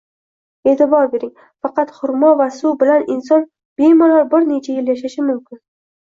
Eʼtibor bering, faqat xurmo va suv bilan inson bemalol bir necha yil yashashi mumkin.